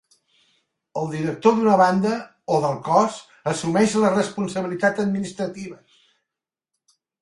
El director d'una banda o del cos assumeix la responsabilitat administrativa.